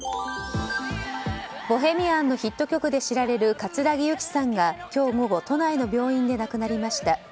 「ボヘミアン」のヒット曲で知られる葛城ユキさんが今日午後都内の病院で亡くなりました。